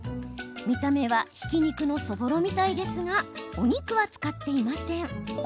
見た目はひき肉のそぼろみたいですがお肉は使っていません。